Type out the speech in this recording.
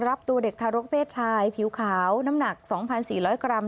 รับตัวเด็กทารกเพศชายผิวขาวน้ำหนัก๒๔๐๐กรัม